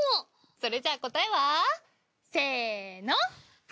それじゃあ答えはせの。